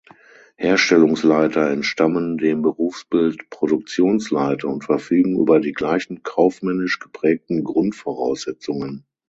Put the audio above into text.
Herstellungsleiter entstammen dem Berufsbild „Produktionsleiter“ und verfügen über die gleichen kaufmännisch geprägten Grundvoraussetzungen.